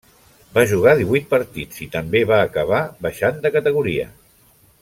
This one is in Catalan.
Va jugar divuit partits i també va acabar baixant de categoria.